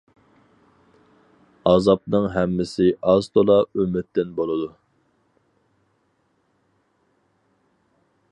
ئازابنىڭ ھەممىسى ئاز تولا ئۈمىدتىن بولىدۇ.